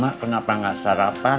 mak kenapa enggak sarapan